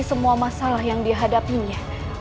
semua masalah yang dihadapinya